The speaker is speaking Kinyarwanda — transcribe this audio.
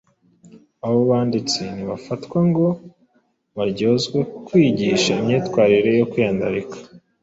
Abo banditsi ntibafatwa ngo baryozwe kwigisha imyitwarire yo kwiyandarika,